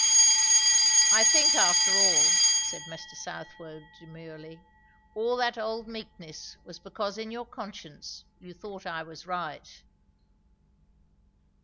"I think after all," said Mr. Southwode demurely, "all that old meekness was because in your conscience you thought I was right."